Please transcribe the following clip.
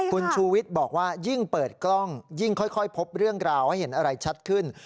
คุณชูวิทย์บอกว่ายิ่งเปิดกล้องยิ่งค่อยพบเรื่องราวให้เห็นอะไรชัดขึ้น